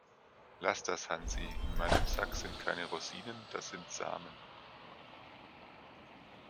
Laß das Hansi, in meinem Sack sind keine Rosinen, ds sind Samen.